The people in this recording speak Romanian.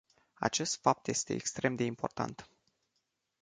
Acest fapt este extrem de important.